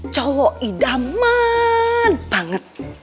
cowok idaman banget